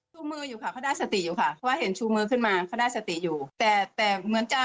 ชูมืออยู่ค่ะเขาได้สติอยู่ค่ะเพราะว่าเห็นชูมือขึ้นมาเขาได้สติอยู่